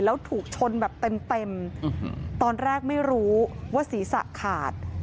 แล้วถูกชนแบบเต็มตอนแรกไม่รู้ว่าศีรษะขาด